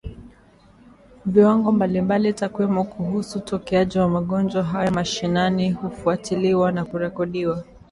viwango mbalimbali Takwimu kuhusu utokeaji wa magonjwa haya mashinani hufuatiliwa na kurekodiwa